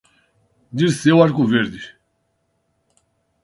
Dirceu Arcoverde